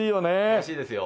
楽しいですよ。